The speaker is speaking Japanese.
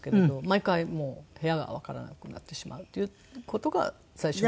毎回部屋がわからなくなってしまうっていう事が最初に。